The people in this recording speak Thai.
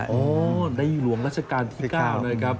นายหลวงราชกาลที่๙นะครับ